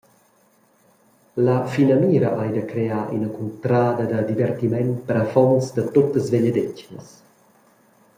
«La finamira ei da crear ina cuntrada da divertiment per affons da tuttas vegliadetgnas.